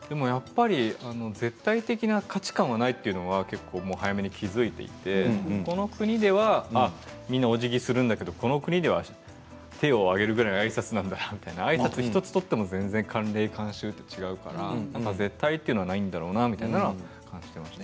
絶対的な価値観はないというのは早めに気付いていてこの国ではみんな、おじぎをするんだけどこの国では手を上げるくらいのあいさつなんだみたいなあいさつ１つ取っても慣例で慣習が違うから絶対というのはないんだろうなと感じていました。